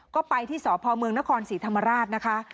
ก็ไปที่สพเมืองนครศรีธรรมราชนะคะ